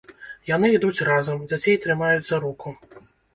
Яны ідуць разам, дзяцей трымаюць за руку.